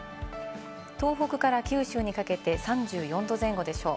東北から九州にかけて３４度前後でしょう。